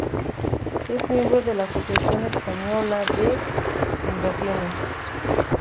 Es miembro de la Asociación Española de Fundaciones.